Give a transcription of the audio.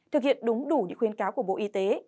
thực hiện đúng đủ những khuyên cáo của bộ y tế